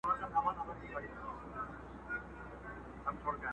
چي یو ږغ کړي د وطن په نامه پورته،